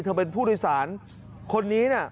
เป็นผู้โดยสารคนนี้นะ